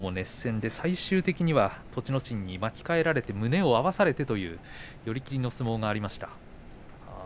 確かにきのうも熱戦で最終的には栃ノ心に巻き替えられて胸を合わされて寄り切りの相撲になりました。